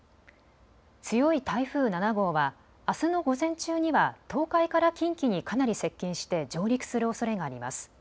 強い台風７号はあすの午前中には東海から近畿にかなり接近して上陸するおそれがあります。